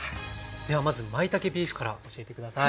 ではまずまいたけビーフから教えて下さい。